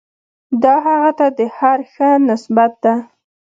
دا هغه ته د هر ښه نسبت ده.